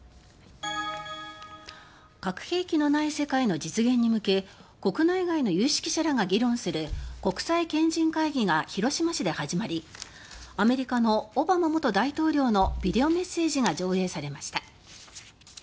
核兵器のない世界の実現に向け国内外の有識者らが議論する国際賢人会議が広島市で始まりアメリカのオバマ元大統領のビデオメッセージが上映されました。